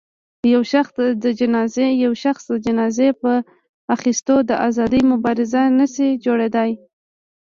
يو شخص د جايزې په اخیستو د ازادۍ مبارز نه شي جوړېدای